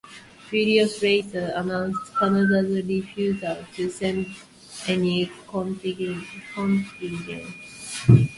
Furious, Laurier announced Canada's refusal to send any contingents.